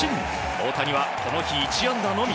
大谷はこの日１安打のみ。